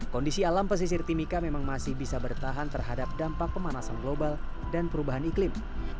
kondisi alam pesisir timika memang masih bisa bertahan terhadap dampak pemanasan global dan perubahan iklim